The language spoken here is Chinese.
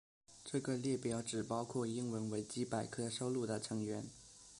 这个列表只包括英文维基百科收录的成员。